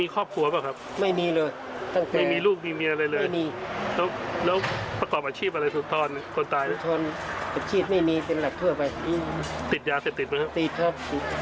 ขอบคำลังด้วยนะครับ